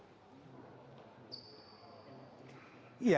ya dalam proses penyelidikan